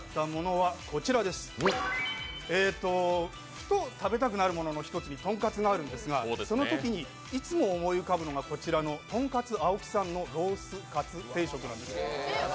ふと食べたくなるものの一つにとんかつがあるんですがそのときにいつも思い浮かぶのはとんかつ檍さんのロースかつ定食なんですよ。